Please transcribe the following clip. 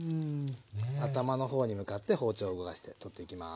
頭の方に向かって包丁を動かして取っていきます。